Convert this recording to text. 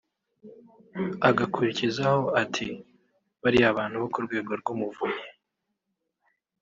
” agakurikizaho ati “bariya bantu bo ku Rwego rw’Umuvunyi”